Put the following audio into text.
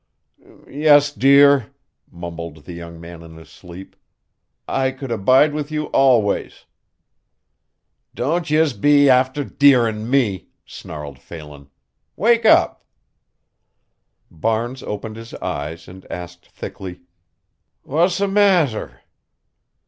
"Yes, dear," mumbled the young man in his sleep, "I could abide with you always." "Don't yez be afther dearin' me," snarled Phelan. "Wake up!" Barnes opened his eyes and asked thickly: "Wassa masser."